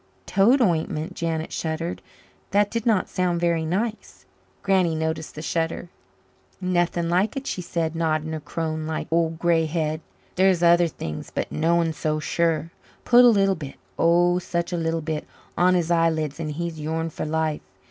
Toad ointment! Janet shuddered. That did not sound very nice. Granny noticed the shudder. "Nothing like it," she said, nodding her crone like old grey head. "There's other things, but noan so sure. Put a li'l bit oh, such a li'l bit on his eyelids, and he's yourn for life.